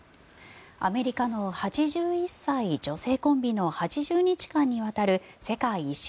アメリカの８１歳女性コンビの８０日間にわたる世界一周